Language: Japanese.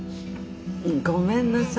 ごめんなさい。